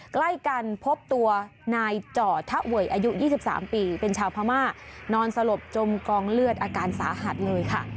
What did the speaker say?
ใกล้กันพบตัวนายจ่อทะเวยอายุ๒๓ปีเป็นชาวพม่านอนสลบจมกองเลือดอาการสาหัสเลยค่ะ